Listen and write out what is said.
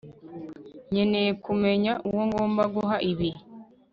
nkeneye kumenya uwo ngomba guha ibi